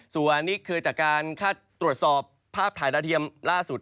ส่วนนี่คือจากการคาดตรวจสอบภาพถ่ายดาวเทียมล่าสุด